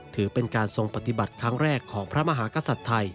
ถือเป็นการทรงปฏิบัติครั้งแรกของพระมหากษัตริย์ไทย